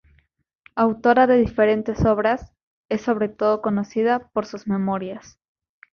Autora de diferentes obras, es sobre todo conocida por sus memorias.